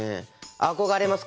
憧れます